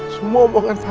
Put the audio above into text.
semua omongan papa